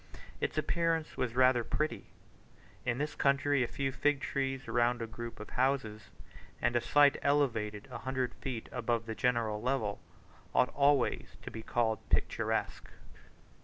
Its appearance was rather pretty. In this country a few fig trees round a group of houses, and a site elevated a hundred feet above the general level, ought always to be called picturesque.